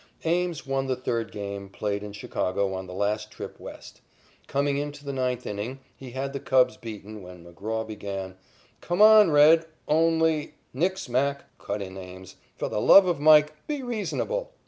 Ames won the third game played in Chicago on the last trip West. Coming into the ninth inning, he had the Cubs beaten, when McGraw began: "Come on, 'Red,' only " "Nix, Mac," cut in Ames, "for the love of Mike, be reasonable."